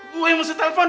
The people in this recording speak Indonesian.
gue yang mesti telepon